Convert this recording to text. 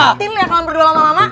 gua sentil ya kalau berdua lama lama